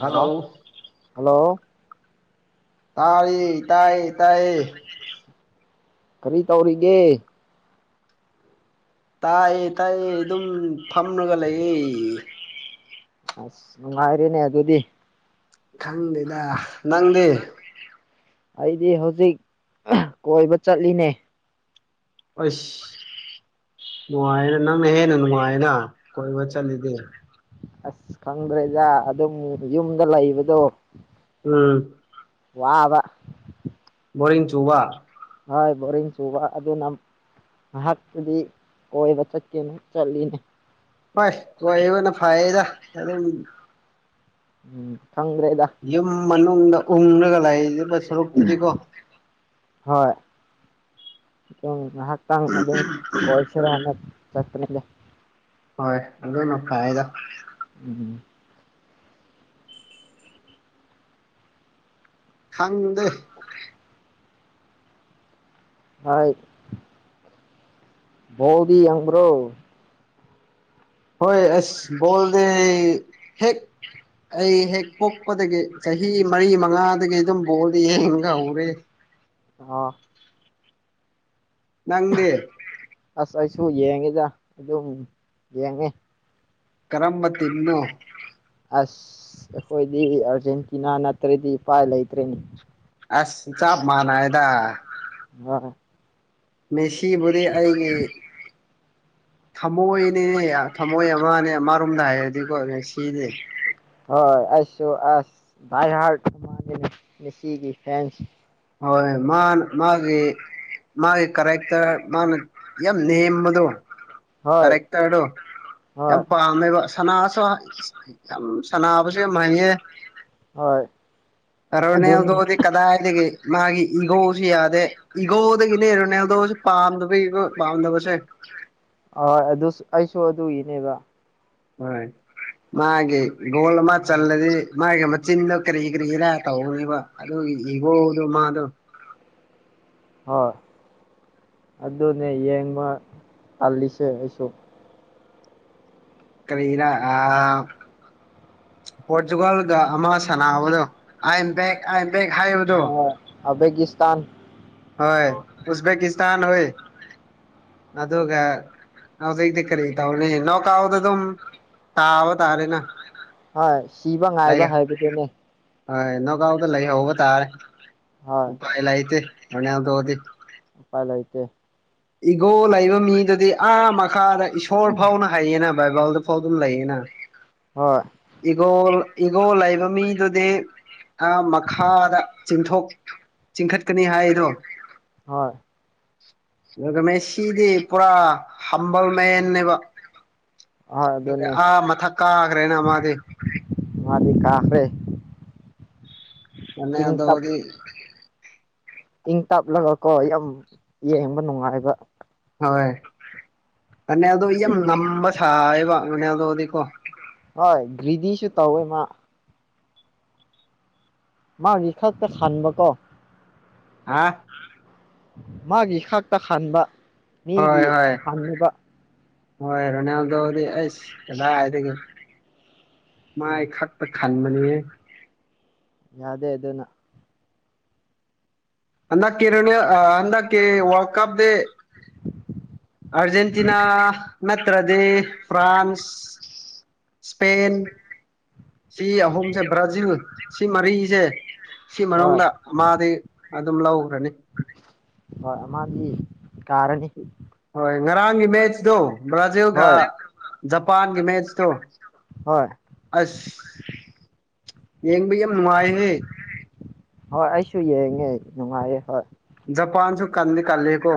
hello hello ꯇꯥꯏꯌꯦ ꯇꯥꯏꯌꯦ ꯇꯥꯏꯌꯦ ꯀꯔꯤ ꯇꯧꯔꯤꯒꯦ ꯇꯥꯏꯌꯦ ꯇꯥꯏꯌꯦ ꯑꯗꯨꯝ ꯐꯝꯂꯒ ꯂꯩꯌꯦ ꯑꯁ ꯅꯨꯡꯉꯥꯏꯔꯤꯦꯅꯦ ꯑꯗꯨꯗꯤ ꯈꯪꯗꯦꯗ ꯅꯪꯗꯤ ꯑꯩꯗꯤ ꯍꯧꯖꯤꯛ ꯀꯣꯏꯕ ꯆꯠꯂꯤꯅꯦ ꯑꯣꯏꯁ ꯅꯨꯡꯉꯥꯏꯅ ꯅꯪꯅ ꯍꯦꯟꯅ ꯅꯨꯡꯉꯥꯏꯅ ꯀꯣꯏꯕ ꯆꯠꯂꯤꯗꯤ ꯑꯁ ꯈꯪꯗ꯭ꯔꯦꯗꯥ ꯑꯗꯨꯝ ꯌꯨꯝꯗ ꯂꯩꯕꯗꯣ ꯎꯝ ꯋꯥꯕ ꯕꯣꯣꯔꯟ ꯆꯨꯕ ꯍꯣꯏ ꯕꯣꯔꯡ ꯆꯨꯕ ꯑꯗꯨ ꯅ ꯉꯍꯥꯛꯄꯨꯗꯤ ꯀꯣꯏꯕ ꯆꯠꯀꯦꯅ ꯆꯠꯂꯤꯅꯦ ꯍꯣꯏ ꯀꯣꯏꯕꯅ ꯐꯩꯌꯦꯗ ꯑꯗꯨꯝ ꯎꯝ ꯈꯪ꯭ꯔꯦꯗ ꯌꯨꯝ ꯃꯅꯨꯡꯗ ꯎꯡꯔꯒ ꯂꯥꯛꯔꯤꯕ ꯁꯔꯨꯛꯇꯨꯗꯤꯀꯣ ꯇ ꯀꯣꯏ ꯆ ꯍꯣꯏ ꯑꯗꯨꯅ ꯐꯥꯏꯗ ꯎꯝ ꯈꯪꯗꯦ ꯍꯣꯏ ꯥꯎꯗꯤ ꯍ꯭ꯔꯣ ꯍꯣꯏ ꯑꯁꯣꯗ ꯍꯦꯛ ꯑꯩ ꯍꯦꯛ ꯄꯣꯛꯄꯗꯒꯤ ꯆꯍꯤ ꯃꯔꯤ ꯃꯉꯥꯗꯒꯤ ꯑꯗꯨꯝ ꯕꯣꯜꯗꯤ ꯌꯦꯡꯒ ꯍꯧꯔꯦ ꯑ ꯅꯪꯗꯦ ꯑꯁ ꯑꯩꯁꯨ ꯌꯦꯡꯉꯤꯗ ꯑꯗꯨꯝ ꯌꯦꯡꯉꯤ ꯀꯔꯝꯕ ꯇꯤꯅꯣ ꯑꯁ ꯑꯩꯈꯣꯏꯗꯤ ꯑꯥꯔꯖꯦꯟꯇꯤꯅꯥ ꯅꯠꯇ꯭ꯔꯗꯤ ꯏꯄꯥꯏ ꯂꯩꯇ꯭ꯔꯦꯅꯤ ꯑꯁ ꯆꯞ ꯃꯥꯅꯑꯗ ꯑꯣ ꯃꯦꯁꯤꯕꯨꯦ ꯑꯩꯒꯤ ꯊꯝꯃꯣꯏꯅꯦ ꯊꯝꯃꯣꯏ ꯑꯃꯅꯦ ꯑꯃꯔꯣꯝꯗ ꯍꯥꯏꯔꯗꯤꯀꯣ ꯁꯤꯅꯦ ꯍꯣꯏ ꯑꯩꯁꯨ ꯑꯁ ꯚꯥꯏ ꯍꯥꯔꯁꯤꯒꯤ ꯐꯦꯟꯁ ꯍꯣꯏ ꯃꯥꯅ ꯃꯥꯒꯤꯦ ꯃꯥꯒꯤ ꯀꯔꯦꯛꯇꯔ ꯃꯥꯅ ꯌꯥꯝ ꯅꯦꯝꯕꯗꯣ ꯍꯣꯏ ꯀꯔꯦꯛꯇꯔꯗꯣ ꯌꯥꯝ ꯍꯣꯏ ꯄꯥꯝꯃꯦꯕ ꯁꯅꯥꯁꯨ ꯌꯥꯝ ꯁꯥꯟꯅꯥꯕꯁꯨ ꯌꯥꯝ ꯍꯪꯉꯦ ꯍꯣꯏ ꯑꯗꯨꯅꯤ ꯀꯔꯣꯅꯦꯦꯝꯗꯣꯗꯤ ꯀꯗꯥꯇꯒꯦ ꯃꯥꯒꯤꯤ ꯏꯒꯣ ꯁꯤ ꯌꯥꯗꯦ ꯏꯒꯣꯗ ꯀꯅꯦꯔꯅꯦꯗꯣ ꯄꯥꯝꯗꯕ ꯄꯥꯝꯗꯕꯁꯦ ꯍ ꯑꯗꯨ ꯑꯩꯁꯨ ꯑꯗꯨꯏꯅꯦꯕ ꯍꯣꯏ ꯃꯥꯒꯤ ꯒꯣꯜ ꯃꯥ ꯆꯜꯂꯗꯤ ꯃꯥꯒꯤ ꯃꯆꯤꯟꯗꯣ ꯀꯔꯤ ꯀꯔꯤꯔꯥ ꯇꯧꯒꯅꯦꯕ ꯑꯗꯨꯒꯤ ꯏꯒꯣꯗꯣ ꯃꯥꯗꯣ ꯍꯣꯏ ꯑꯗꯨꯅꯦ ꯌꯦꯡꯕ ꯇꯜꯂꯤꯁꯦ ꯑꯩꯁꯨ ꯀꯔꯤꯔ ꯑ ꯄꯣꯔꯇꯨꯒꯥꯜꯒ ꯑꯃ ꯁꯥꯟꯅꯕꯗꯣ ꯑꯥꯏꯦꯝꯕꯦꯛ ꯑꯥꯏꯦꯝꯕꯦꯛ ꯍꯥꯏꯕꯗꯣ ꯑꯐꯦꯀꯤꯁꯇꯥꯟ ꯍꯣꯏ ꯎꯖꯕꯦꯛꯀꯤꯁꯇꯥꯟ ꯍꯣꯏ ꯑꯗꯨꯒ ꯍꯗꯩꯗꯤ ꯀꯔꯤ ꯇꯅꯦ ꯅꯧꯀꯥꯎꯗ ꯑꯗꯨꯝ ꯇꯥꯕ ꯇꯥꯔꯦꯅ ꯍ ꯁꯤꯕ ꯂꯩ ꯉꯥꯏꯕ ꯍꯥꯏꯕꯗꯨꯅꯦ ꯍꯣꯏ ꯅꯣ ꯀꯥꯎꯗ ꯂꯩ ꯍꯕ ꯇꯥꯔꯦ ꯍꯣꯏ ꯎꯄꯥꯏ ꯂꯥꯏꯇ ꯃꯅ ꯇꯗꯤ ꯄꯥꯥꯏ ꯂꯩꯥꯏꯇꯦ ꯏꯒꯣ ꯂꯩꯕ ꯃꯤꯗꯨꯗꯤ ꯑꯥ ꯃꯈꯥꯗ ꯏꯁꯣꯔ ꯐꯥꯎꯅ ꯍꯥꯏꯩꯌꯦꯅ ꯕꯥꯕꯜꯗ ꯐꯥꯎ ꯑꯗꯨꯝ ꯂꯩꯌꯦꯅ ꯍꯣꯏ ꯏꯒꯣ ꯏꯒꯣ ꯂꯩꯕ ꯃꯤꯗꯨꯗꯤ ꯃꯈꯥꯗ ꯆꯤꯡꯊꯣꯛ ꯆꯤꯡꯈꯠꯀꯅꯤ ꯍꯥꯏꯔꯣ ꯍꯣꯏ ꯑꯗꯨꯒ ꯃ ꯁꯤꯗꯤ ꯄꯨꯔꯥ ꯍꯝꯕꯜ ꯃꯅꯦꯦꯕ ꯍꯣꯏ ꯑꯗꯨꯅꯦ ꯑꯥ ꯃꯊꯛ ꯀꯥꯈ꯭ꯔꯦꯅ ꯃꯥꯗꯤ ꯃꯥꯗꯤ ꯀꯥꯈ꯭ꯔꯦ ꯏꯪ ꯔꯣꯅꯥꯜꯗꯣꯗꯤ ꯏ ꯇꯞꯂꯒꯀꯣ ꯌꯥꯝ ꯌꯦꯡꯕ ꯅꯨꯡꯉꯥꯏꯕ ꯍꯣꯏ ꯑ ꯑꯗꯣ ꯌꯥꯝ ꯅꯝꯕ ꯁꯥꯏꯕ ꯉꯅꯦ ꯑꯗꯣꯗꯤꯀꯣ ꯍꯣꯏ ꯔꯤꯗꯤꯁꯨ ꯇꯧ ꯏꯃ ꯃꯥ ꯔꯤꯈ ꯀ ꯈꯕ ꯀꯣ ꯍꯥꯥ ꯃꯥꯒꯤ ꯈꯥꯛꯇ ꯍꯥꯟꯕ ꯍꯣꯏ ꯃꯤꯒꯤ ꯍꯣꯏ ꯍꯅꯕ ꯍꯣꯏ ꯔꯣꯅꯥꯜꯗꯣꯗꯤ ꯑꯩꯁ ꯀꯗꯥ ꯍꯥꯏꯔꯤꯒꯦ ꯎꯝ ꯃꯥꯥꯏ ꯈꯥꯛꯇ ꯈꯥꯟꯃꯅꯤꯦ ꯌꯥꯗꯦ ꯑꯗꯨ ꯑꯗꯨꯅ ꯍ ꯀꯔꯅꯦ ꯑ ꯀ ꯀ ꯋꯥꯔꯜꯗ ꯀꯞ ꯗ ꯑꯔꯖꯦꯟꯇꯤꯅꯥ ꯎ ꯄ꯭ꯔꯗꯦ ꯐ꯭ꯔꯥꯟꯁ ꯁꯄꯟ ꯁꯤ ꯑꯍꯨꯝꯁꯦ ꯕ꯭ꯔꯥꯖꯤꯜ ꯁꯤ ꯃꯔꯤꯁꯦ ꯁꯤ ꯍꯣꯏ ꯃꯅꯨꯡꯗ ꯃꯥꯗꯤ ꯑꯗꯨꯝ ꯂꯧ ꯍꯣꯏ ꯑꯗꯤ ꯀꯥꯔꯅꯤ ꯍꯣꯏ ꯉꯔꯥꯡꯒꯤ ꯃꯦꯠꯆꯇꯣ ꯕ꯭ꯔꯥꯖꯤꯜꯒ ꯍꯣꯏ ꯖꯄꯥꯟꯒꯤ ꯃꯦꯠꯆꯇꯣ ꯍꯣꯏ ꯑꯁ ꯌꯦꯕꯩ ꯌꯥꯝ ꯅꯨꯡꯃꯥꯏ ꯍꯦ ꯍꯣꯏ ꯑꯩꯁꯨ ꯌꯦꯡꯉꯦ ꯅꯨꯡꯉꯥꯏꯌꯦ ꯍꯣꯏ ꯖꯄꯥꯟꯁꯨ ꯀꯥꯟꯗꯤ ꯀꯥꯥꯟꯜꯂꯤꯀꯣ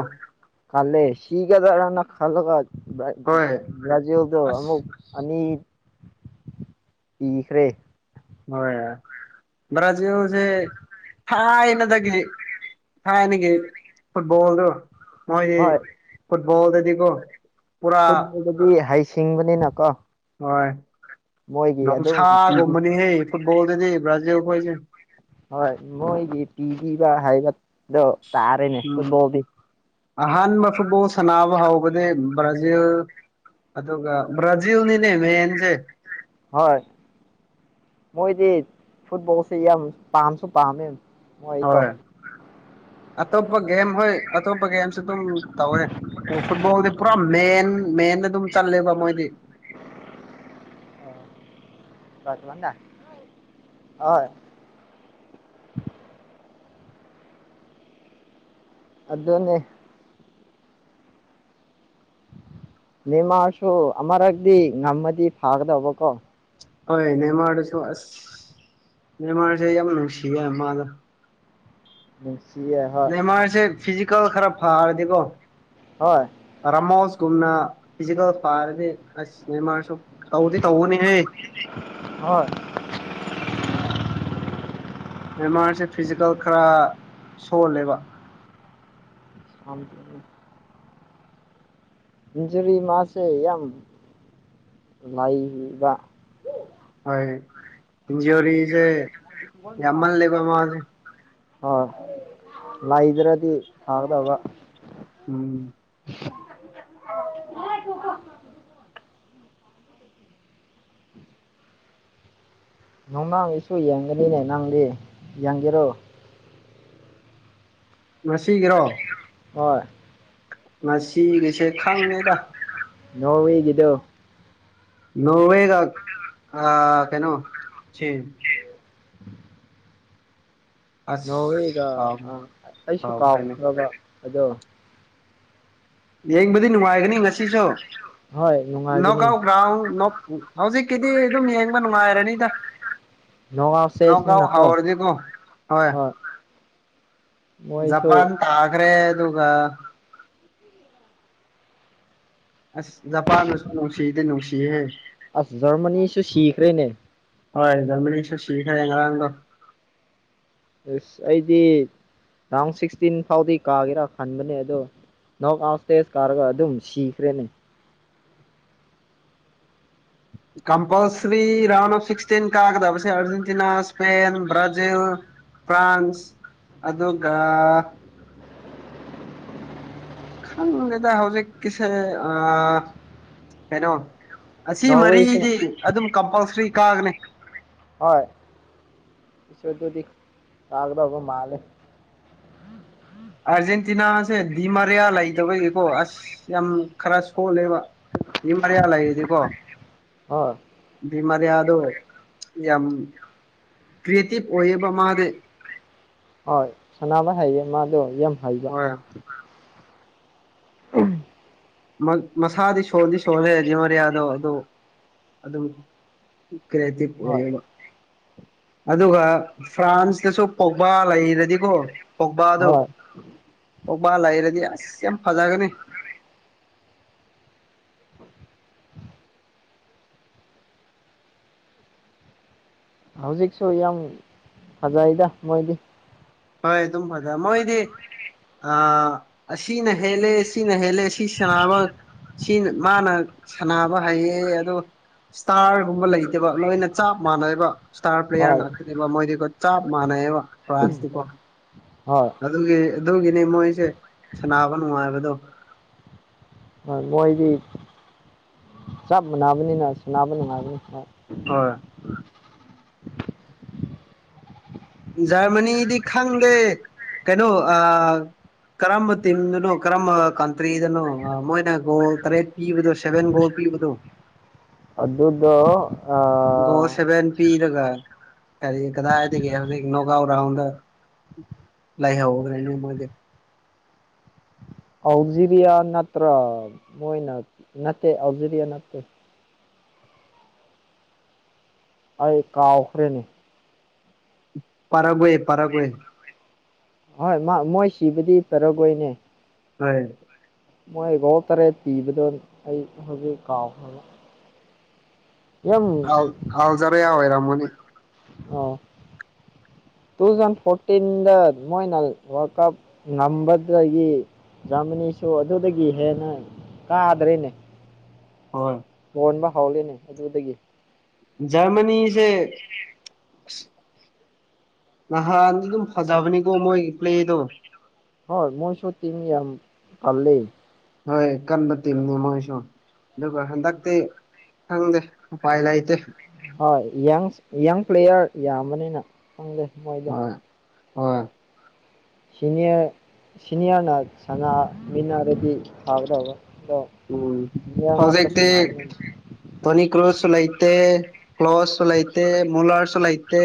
ꯈꯂꯦ ꯁꯤꯤꯒꯗꯔꯅ ꯈꯜꯂꯒ ꯖꯤ ꯍꯣꯏ ꯌ ꯌꯗ ꯑꯁ ꯑꯃꯨꯛ ꯑ ꯏꯈ꯭ꯔꯦ ꯍꯣꯏ ꯃꯔ꯭ꯔꯖꯤꯁꯦ ꯊꯅꯗꯗꯒꯤ ꯊꯥꯏꯅꯒꯤ ꯐꯨꯠꯕꯣꯜꯗꯣ ꯃꯣꯏꯗꯤ ꯍꯣꯏ ꯐꯨꯠꯕꯣꯜꯗꯗꯤꯀꯣ ꯄꯨꯔꯥ ꯐꯨꯠꯕꯣꯜꯗꯗꯤ ꯍꯩꯁꯤꯡꯕꯅꯤꯅ ꯀꯣ ꯅꯨꯡꯁꯥꯒꯨꯝꯕꯅꯤꯍꯩ ꯐꯨꯠꯕꯣꯜꯗꯗꯤ ꯕ꯭ꯔꯥꯖꯤꯜ ꯐꯣꯏꯁꯦ ꯍ ꯃꯣꯏ ꯇꯤꯚꯤ ꯍꯕ ꯎꯝ ꯑꯍꯥꯟꯕ ꯐꯐꯥꯎ ꯁꯥꯟꯅꯕ ꯍꯥꯎꯕꯗꯤ ꯭ꯔꯖꯤꯜ ꯑꯗꯨ ꯭ꯔꯖꯜꯅꯤꯅꯦ ꯃꯦꯟꯁꯦ ꯍ ꯃꯣꯏꯗꯤ ꯐꯨꯠꯕꯜꯁ ꯏ ꯌꯥꯝ ꯄꯥꯝꯁꯨ ꯄꯥꯃꯦ ꯑꯩꯀꯣ ꯍꯣꯏ ꯑꯇꯣꯞꯄ ꯒꯦꯝ ꯍꯣꯏ ꯑꯇꯣꯞꯄ ꯒꯦꯝꯁꯨ ꯑꯗꯨꯝ ꯇꯧꯔꯦ ꯑ ꯐꯨꯠꯕꯣꯜꯗꯤ ꯄꯨꯔꯥ ꯃꯦꯟ ꯃꯦ ꯑꯗꯨꯝ ꯆꯠꯂꯦꯕ ꯃꯣꯏꯗꯤ ꯑ ꯔꯊꯃꯗ ꯍ ꯑꯗꯨꯗꯟꯅꯦ ꯅꯃꯁꯨ ꯑꯃꯔꯛꯇꯗꯤ ꯉꯝꯃꯗꯤ ꯐꯥꯒꯗꯧꯕꯀꯣ ꯍꯣꯏ ꯃꯦꯟꯃꯥꯔꯗꯁꯨ ꯑꯁ ꯃꯦꯟꯃꯥꯔꯁꯦ ꯌꯥꯝ ꯅꯨꯡꯁꯤꯌꯦ ꯃꯥꯗ ꯎꯝ ꯃꯥꯔꯁꯦ ꯐꯤꯖꯤꯀꯦꯜ ꯈꯔ ꯐꯔꯗꯤꯀꯣ ꯍꯣꯏ ꯔꯥꯃꯣꯁ ꯀꯨꯝꯅ ꯐꯤꯖꯤꯀꯦꯜ ꯐꯥꯔꯗꯤ ꯑꯁ ꯃꯃꯥꯔꯁꯨ ꯇꯧꯗꯤ ꯇꯧꯒꯅꯤ ꯍꯣꯏ ꯕꯃꯥꯔꯁꯦ ꯐꯤꯖꯤꯀꯦꯜ ꯈꯔ ꯁꯣꯜꯂꯦꯕ ꯑꯂ ꯏꯟꯖꯨꯔꯤ ꯃꯥꯁꯦ ꯌꯥꯝ ꯂꯥꯏꯕ ꯍꯣꯏ ꯏꯟꯖꯑꯣꯔꯤꯁꯦ ꯌꯥꯝꯃꯅ ꯂꯩꯦ ꯃꯥ ꯍꯣꯏ ꯂꯩꯗ꯭ꯔꯗꯤ ꯊꯥꯒꯗꯕ ꯎꯝ ꯀ ꯀꯣ ꯣꯡꯗꯥꯡ ꯏꯁꯨ ꯌꯦꯡꯒꯅꯤꯅꯦ ꯅꯪꯗꯤ ꯌꯦꯡꯒꯦꯔꯣ ꯉꯁꯤꯒꯤꯔꯣ ꯍꯣꯏ ꯉꯁꯤ ꯀꯩꯁꯦ ꯈꯪꯃꯦꯗ ꯅꯣꯡꯃꯤꯒꯤꯗꯣ ꯅꯋꯦꯒ ꯑ ꯀꯩꯅꯩꯅꯣ ꯑꯁ ꯅꯧꯋꯦꯒ ꯀꯥꯎ ꯑ ꯑꯩꯁꯨ ꯀꯥꯎꯈ꯭ꯔꯦꯅꯦ ꯀꯥꯎꯈ꯭ꯔꯕ ꯑꯗꯣ ꯌꯦꯡꯕꯗꯤ ꯅꯨꯡꯉꯥꯏꯒꯅꯤ ꯍꯣꯏ ꯅꯨꯡꯉꯥꯏꯒꯅꯤ ꯉꯁꯤꯁꯨꯣꯛꯥꯎꯥꯎ ꯍꯧꯖꯤꯛꯀꯤꯗꯤ ꯑꯗꯨꯝ ꯌꯦꯡꯕ ꯅꯨꯡꯉꯥꯏꯔꯅꯤꯗ ꯅꯣꯛꯑꯥꯎꯠ ꯅ ꯀꯥꯎꯥꯎ ꯁ꯭ꯇꯦꯖꯅꯤꯅꯀꯣ ꯍꯥꯎꯔꯗꯤ ꯀꯣ ꯍꯣꯏ ꯃꯣꯏꯁꯨ ꯖꯄꯥꯟ ꯇꯥꯒ꯭ꯔꯦ ꯑꯗꯨꯒ ꯑꯁ ꯖꯄꯥꯟꯅꯁꯨ ꯅꯨꯡꯁꯤꯗꯤ ꯅꯨꯡꯁꯤꯍꯦ ꯑꯁ ꯖꯔꯃꯅꯤꯁꯨ ꯁꯤꯈꯔꯦꯅꯦ ꯍꯣꯏ ꯌꯥꯝꯔꯃꯤꯅꯤꯁ ꯁꯤꯈꯔ ꯌꯦꯡ ꯉꯥꯡꯗꯣ ꯑꯦꯁ ꯑꯩꯗꯤ ꯔꯥꯎꯟ ꯁꯤꯛꯁꯇꯤꯟ ꯐꯥꯎꯗꯤ ꯀꯥꯒꯦꯔꯥ ꯈꯟꯕꯅꯦ ꯑꯗꯣ ꯅꯣꯛ ꯑꯥꯎ ꯁꯇꯦꯖ ꯀꯥꯔꯒ ꯑꯗꯨꯝ ꯁꯤꯈ꯭ꯔꯦꯅꯦ ꯀꯝꯄꯜꯁꯔꯤ ꯔꯥꯎꯟ ꯑꯣꯐ ꯁꯤꯛꯁꯇꯤꯟ ꯀꯥ ꯀꯗ ꯄꯁꯦ ꯑꯔꯖꯦꯟꯇꯤꯅꯥ ꯏꯁꯄꯦꯟ ꯕ꯭ꯔꯥꯖꯤꯜ ꯐ꯭ꯔꯥꯟꯁ ꯑꯗꯨꯒ ꯈꯪ ꯑꯦꯗ ꯍꯧꯖꯤꯛ ꯀꯁꯦ ꯑ ꯀꯩꯅꯣ ꯑꯁꯤ ꯅꯣꯔꯋꯦꯁꯨ ꯃꯔꯤꯗꯤ ꯑꯗꯨꯝ ꯀꯝꯄꯜꯁꯔꯤ ꯀꯥꯒꯅꯤ ꯍꯣꯏ ꯏꯁꯗꯨꯗꯤ ꯂꯥꯒꯗꯕꯣ ꯃꯥꯂꯦ ꯑꯥꯔꯖꯦꯟꯇꯤꯅꯥꯁꯦ ꯗꯤꯃꯥꯔꯤꯌꯥ ꯂꯩꯗꯕꯒꯤꯀꯣ ꯑꯁ ꯌꯥꯝ ꯈꯔ ꯁꯣꯜꯂꯦꯕ ꯊ ꯃꯔꯤꯌꯥꯂ ꯑꯩꯗꯤꯀꯣ ꯍꯣꯏ ꯃꯔꯤꯌꯥꯗꯣ ꯌꯥꯝ ꯀ꯭ꯔꯤꯇꯞ ꯑꯣꯌꯦꯕ ꯃꯥꯗꯦ ꯍꯣꯏ ꯁꯅꯥꯅꯕ ꯍꯥꯏꯩꯌꯦ ꯃꯥꯗꯣ ꯌꯥꯝ ꯍꯥꯏꯩꯕ ꯍꯣꯏ ꯃꯁꯥꯗꯤ ꯁꯣꯟꯗꯤ ꯁꯣꯜꯂꯦꯔꯗꯤ ꯃꯔꯤꯌꯥꯗꯣ ꯑꯗꯨꯗ ꯑꯗꯨꯝ ꯀ꯭ꯔꯦꯗꯤ ꯄ ꯍ ꯑꯗꯨꯒ ꯐ꯭ꯔꯥꯟꯁꯇꯁꯨ ꯄꯣꯛꯕꯥ ꯂꯩꯔꯗꯤꯀꯣ ꯄꯣꯛꯕꯥꯗꯨꯣ ꯍꯣꯏ ꯑꯣꯕꯥ ꯂꯩꯔꯗꯤ ꯑꯁ ꯌꯥꯝ ꯐꯖꯒꯅꯤ ꯍꯧꯖꯤꯛꯁꯨ ꯌꯥꯝ ꯐꯖꯩꯗ ꯃꯣꯏꯗꯤ ꯍꯣꯏ ꯇꯝ ꯐꯗ ꯃꯣꯏꯗꯤꯦ ꯑ ꯑꯁꯤ ꯅꯍꯦꯂ ꯑꯁꯤꯁꯤ ꯅꯍꯦꯂꯦ ꯑꯁꯤ ꯁꯅꯥꯕ ꯁꯤ ꯃꯥꯅ ꯁꯥꯟꯅꯕ ꯍꯥꯏꯩꯌꯦ ꯑꯗꯣ ꯏꯁꯇꯥꯔꯒꯨꯝꯕ ꯂꯩꯇꯕ ꯂꯣꯏꯅ ꯆꯞ ꯃꯥꯟꯅꯩꯕ ꯏꯁꯇꯥꯔ ꯄ꯭ꯂꯦꯌꯥꯔ ꯍꯣꯏ ꯉꯥꯛꯇꯅꯦꯕ ꯃꯣꯏꯗꯤꯀꯣ ꯆꯞ ꯃꯥꯟꯅꯩꯕ ꯐ꯭ꯔꯥꯟꯁꯇꯤꯀꯣ ꯍꯣꯏ ꯑꯗꯨꯒꯤ ꯑꯗꯨꯒꯤꯅꯦ ꯃꯣꯏꯁꯦ ꯁꯅꯥꯕ ꯅꯨꯡꯉꯥꯏꯕꯗꯣ ꯍꯣꯏ ꯃꯣꯏꯗꯤ ꯆꯞ ꯃꯥꯟꯅꯕꯅꯤꯅ ꯁ ꯅꯥꯕ ꯅꯨꯡꯉꯥꯏꯕꯅꯤꯅ ꯍꯣꯏ ꯖꯔꯃꯅꯤꯗꯤ ꯈꯪꯗꯦ ꯀꯩꯅꯣ ꯑ ꯀꯔꯝꯕ ꯇꯤꯝꯗꯨꯅꯣ ꯀꯔꯝꯕ ꯀꯟꯇ꯭ꯔꯤꯗꯅꯣ ꯃꯣꯏꯅ ꯒꯣꯜ ꯇꯔꯦꯠ ꯄꯤꯕꯗꯣ ꯁꯚꯦꯟ ꯒꯣꯜ ꯄꯤ ꯣ ꯑꯗꯨꯗ ꯑ ꯒ ꯀꯔꯤ ꯀꯗꯥꯗꯤꯒꯦ ꯍꯧꯦ ꯅꯣꯒ ꯔꯥꯎꯟꯗ ꯂꯩꯥꯏꯍꯧꯈ꯭ꯔꯦꯅꯦ ꯃꯣꯏꯗꯤ ꯑꯜꯖꯤꯦꯔꯤꯌꯥ ꯅꯠꯇ꯭ꯔ ꯃꯅ ꯅꯠꯇꯦ ꯑꯜꯖꯤꯔꯤꯌꯥ ꯅꯠꯇꯦ ꯑꯩ ꯀꯥꯎꯈ꯭ꯔꯦꯅꯦ ꯄꯔꯥꯒꯋꯦ ꯄꯔꯒꯋꯦ ꯍꯣꯏ ꯃꯣꯏ ꯁꯤꯕꯨꯗꯤ ꯐꯔꯒꯣꯏꯅꯦ ꯍꯥꯏ ꯃꯣꯏ ꯣ ꯇꯔꯦ ꯄꯤꯕꯗꯣ ꯑꯩ ꯍꯧꯖꯤꯛ ꯀꯥꯎꯈ꯭ꯔ ꯍꯜ ꯍꯜꯖꯔ ꯌꯥ ꯑꯣꯏꯣꯏꯔꯃꯣꯅꯤ ꯑꯣ ꯇꯨ ꯊꯥꯎꯖꯟ ꯐꯣꯔꯇꯤꯟꯗ ꯃꯣꯏꯅ ꯋꯥꯔꯜ ꯀꯞ ꯉꯝꯕꯗꯒꯤ ꯖꯥꯃꯤꯅꯤꯁꯨ ꯑꯗꯨꯗꯒꯤ ꯍꯦꯟꯅ ꯀꯥꯗ꯭ꯔꯦꯅꯦ ꯍ ꯀꯣꯟꯕ ꯍꯥꯎꯔꯦꯅꯦ ꯑꯗꯨꯗꯒꯤ ꯖꯔꯃꯅꯤꯁꯦ ꯅꯍꯥꯟꯗꯤ ꯑꯗꯨꯝ ꯐꯖꯕꯅꯤꯀꯣ ꯃꯣꯏꯒꯤ ꯄ꯭ꯂꯦꯗꯣ ꯍ ꯃꯣꯏ ꯁꯇꯤꯡ ꯌꯥꯝ ꯄꯔꯂꯦ ꯍꯣꯏ ꯀꯟꯕ ꯇꯤꯝꯅꯤ ꯃꯣꯏꯁꯨ ꯑꯗꯨꯒ ꯍꯟꯗꯛꯇꯤ ꯈꯪꯗꯦ ꯎꯄꯥꯏ ꯂꯩꯇꯦ ꯍꯣꯏ ꯌꯪ ꯄ꯭ꯂꯦꯌꯥꯔ ꯌꯥꯝꯕꯅꯤꯅ ꯈꯪꯗꯦ ꯃꯣꯏꯗꯣ ꯍꯣꯏ ꯍꯣꯏ ꯁꯤꯅꯤꯌꯥꯔ ꯁꯤꯅꯤꯌꯥꯔꯅ ꯁꯅꯥ ꯃꯤꯅꯔꯗꯤ ꯐꯥꯒꯗꯕ ꯎꯝ ꯍꯧꯖꯤꯛꯇꯤ ꯁꯥꯟꯅꯕꯅꯤꯅ ꯇꯣꯅꯤꯀꯔꯨꯁꯁꯨ ꯂꯩꯥꯇꯦ ꯀ꯭ꯂꯣꯊꯁꯨ ꯂꯩꯇꯦ ꯃꯨꯂꯔꯁꯨ ꯂꯩꯇꯦ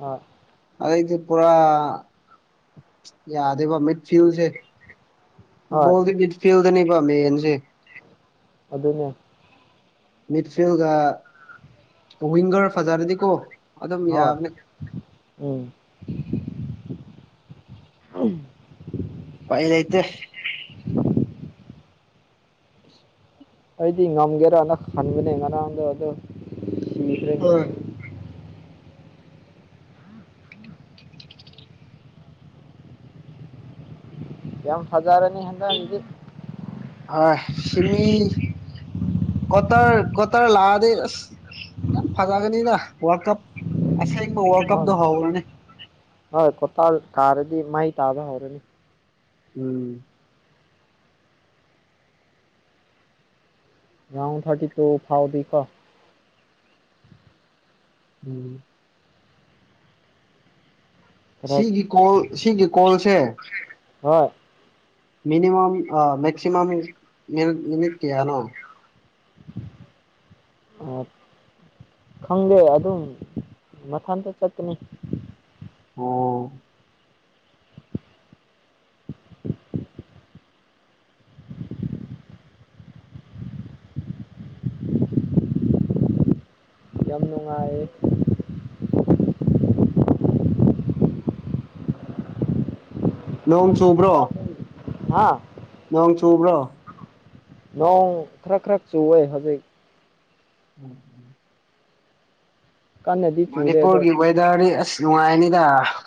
ꯑꯥ ꯑꯩꯗꯤ ꯄꯨꯔꯥ ꯌꯥꯗꯦꯕ ꯃꯤꯠ ꯊꯤꯎꯁꯦ ꯍꯣꯏ ꯕꯣꯜꯗꯤ ꯕꯤꯠ ꯐꯤꯜꯗꯅꯦꯕꯥ ꯃꯦꯟꯁꯦ ꯑꯗꯨꯅꯦ ꯃꯤꯠꯐꯤꯜꯒꯥ ꯋꯤꯡꯒꯔ ꯐꯖꯥꯔ꯭ꯗꯤꯀꯣ ꯍꯣꯏ ꯎꯝ ꯎꯝ ꯄꯥꯏ ꯂꯩꯇꯦ ꯑꯩꯗꯤ ꯉꯝꯒꯦꯔꯥꯅ ꯈꯟꯕꯅꯦ ꯉꯔꯥꯡꯗꯣ ꯑꯗꯨ ꯁꯤꯈꯔ꯭ꯦ ꯍꯣꯏ ꯌꯥꯝ ꯐꯖꯥꯔꯅꯤ ꯍꯟꯗꯅꯗꯤ ꯑ ꯁꯤꯃꯤ ꯀꯣꯇꯔ ꯀꯣꯇꯔ ꯂꯛꯑꯗꯤ ꯑꯁ ꯌꯥꯝ ꯐꯖꯒꯅꯤꯅ ꯋꯥꯔꯜ ꯀꯞ ꯑꯁꯦꯡꯕ ꯋꯥꯔꯜ ꯍꯣꯏ ꯀꯞꯇꯣ ꯍꯧꯔꯅꯤ ꯍꯣꯏ ꯀꯣꯇꯥ ꯀꯥꯔꯗꯤ ꯃꯩ ꯇꯥꯕ ꯍꯧꯔꯅꯤ ꯎꯝ ꯔꯥꯎꯟ ꯊꯥꯔꯇꯤꯇꯨ ꯐꯥꯎꯗꯤ ꯀꯣ ꯎꯝ ꯈꯔ ꯁꯤꯒꯤ ꯀꯣꯜ ꯁꯤꯒꯤ ꯀꯣꯜꯁꯦ ꯍꯣꯏ ꯃꯅꯤꯃꯝ ꯃꯦꯛꯁꯤ ꯃꯤꯅꯤꯠ ꯀꯌꯥꯅꯣ ꯑꯣ ꯈꯪꯗꯦ ꯑꯗꯨꯝ ꯃꯊꯟꯇ ꯆꯠꯄꯥꯅꯤ ꯑꯣ ꯌꯥꯝ ꯅꯨꯡꯉꯥꯏ ꯅꯣꯡ ꯆꯨꯕ꯭ꯔꯣ ꯍꯥꯥ ꯅꯣꯡꯆꯨꯕ꯭ꯔꯣ ꯅꯣꯡ ꯈꯔ ꯈꯔ ꯆꯨ ꯑꯦ ꯍꯧꯖꯤꯛ ꯎꯝ ꯎꯝ ꯀꯟꯅꯗꯤ ꯆꯨꯗꯦ ꯑꯗꯣ ꯃꯅꯤꯄꯨꯔꯒꯤ ꯋꯦꯗꯔꯗꯤ ꯑꯁ ꯅꯨꯡꯉꯥꯏꯅꯤꯗ